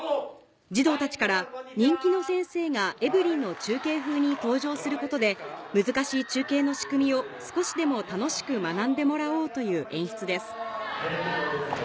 児童たちから人気の先生が『ｅｖｅｒｙ．』の中継風に登場することで難しい中継の仕組みを少しでも楽しく学んでもらおうという演出です